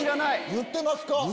言ってますか？